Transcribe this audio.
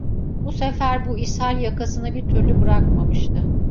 Bu sefer bu ishal yakasını bir türlü bırakmamıştı.